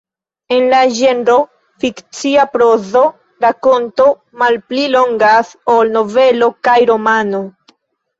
En la ĝenro fikcia prozo, rakonto malpli longas ol novelo kaj romano.